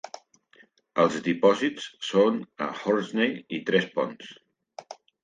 Els dipòsits són a Hornsey i Tres Ponts.